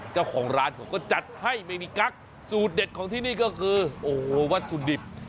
เจ้าของร้านเขาก็จัดให้ไม่มีกั๊กสูตรเด็ดของที่นี่ก็คือโอ้โหวัตถุดิบ